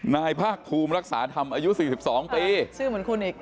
นายภาคภูมิรักษาธรรมอายุสี่สิบสองปีชื่อเหมือนคุณอีก